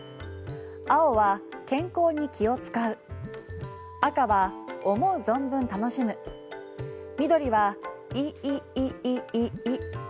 青は、健康に気を使う赤は、思う存分楽しむ緑は、伊胃い医井イ。